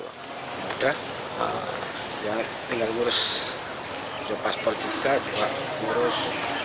mudah tinggal ngurus paspor juga juga ngurus